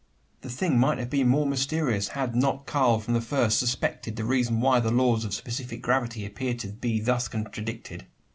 The thing might have been more mysterious, had not Karl from the first suspected the reason why the laws of specific gravity appeared to be thus contradicted.